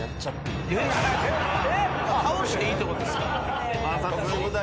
倒していいってことっすか？